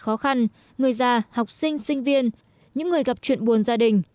khó khăn người già học sinh sinh viên những người gặp chuyện buồn gia đình